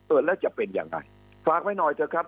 เออแล้วจะเป็นยังไงฝากไว้หน่อยเถอะครับ